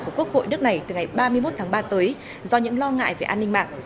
của quốc hội nước này từ ngày ba mươi một tháng ba tới do những lo ngại về an ninh mạng